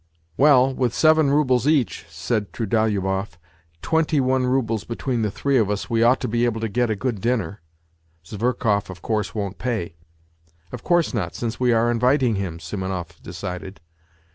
" Well, with seven roubles each." said Trudolyubov, " twenty one roubles between the three of us, we ought to be able to get a good dinner. Zverkov, of course, won't pay." " Of course not, since we are inviting him," Simonov decided.